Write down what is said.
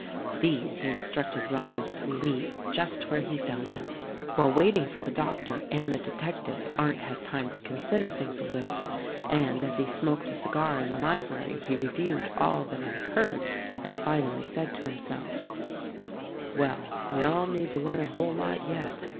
These he instructed Rollins to leave just where he found them. While waiting for the doctor and the detectives Arndt had time to consider things a little ; and as he smoked a THE RECORDING ANGEL 123 cigar in the library he reviewed all that had occurred and finally said to himself, "Well, we all need to learn a whole lot, yet.